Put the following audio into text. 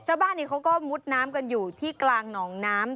ชาวบ้านนี้เขาก็มุดน้ำกันอยู่ที่กลางหนองน้ำ